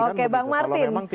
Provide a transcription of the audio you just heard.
oke bang martin